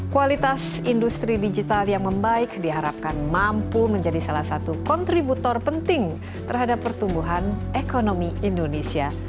kualitas industri digital yang membaik diharapkan mampu menjadi salah satu kontributor penting terhadap pertumbuhan ekonomi indonesia